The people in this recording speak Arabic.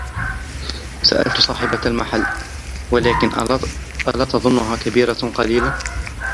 سألت صاحبة المحل: " ولكن ، ألا تظنها كبيرة قليلًا ؟".